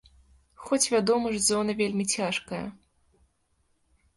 Хоць, вядома ж, зона вельмі цяжкая.